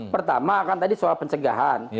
pertama kan tadi soal pencegahan